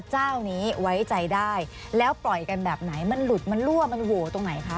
เจ้านี้ไว้ใจได้แล้วปล่อยกันแบบไหนมันหลุดมันรั่วมันโหวตรงไหนคะ